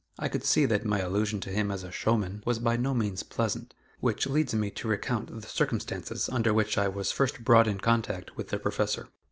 I could see that my allusion to him as a "showman" was by no means pleasant, which leads me to recount the circumstances under which I was first brought in contact with the Professor.